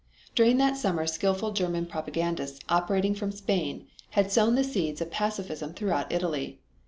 During that summer skilful German propagandists operating from Spain had sown the seeds of pacificism throughout Italy.